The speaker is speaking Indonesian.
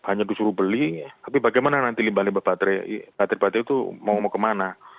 hanya disuruh beli tapi bagaimana nanti limba limba baterai itu mau kemana